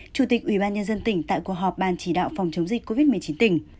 chủ tịch ủy ban nhân dân tỉnh tại cuộc họp ban chỉ đạo phòng chống dịch covid một mươi chín tỉnh